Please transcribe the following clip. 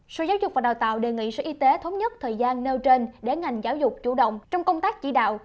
sở giáo dục và đào tạo đề nghị sở y tế thống nhất thời gian nêu trên để ngành giáo dục chủ động trong công tác chỉ đạo